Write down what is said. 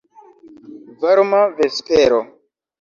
Varma vespero.